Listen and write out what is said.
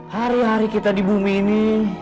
hari hari kita di bumi ini